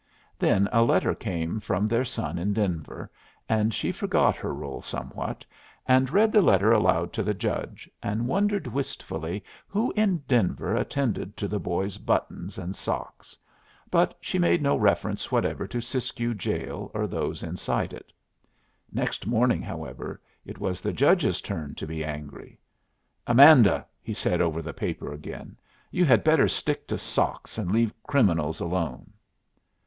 Then a letter came from their son in Denver, and she forgot her rôle somewhat, and read the letter aloud to the judge, and wondered wistfully who in Denver attended to the boy's buttons and socks; but she made no reference whatever to Siskiyou jail or those inside it. Next morning, however, it was the judge's turn to be angry. "Amanda," he said, over the paper again, "you had better stick to socks, and leave criminals alone."